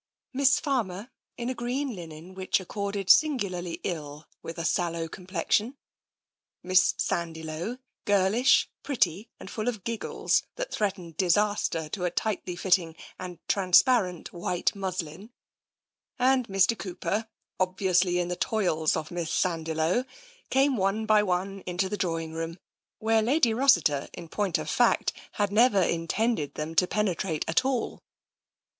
Miss Farmer, in a green linen which accorded singularly ill with a sallow complexion ; Miss Sandiloe, girlish, pretty and full of giggles that threatened dis aster to a tightly fitting and transparent white muslin ; and Mr. Cooper, obviously in the toils of Miss Sand iloe, came one by one into the drawing room, where Lady Rossiter, in point of fact, had never intended them to penetrate at all.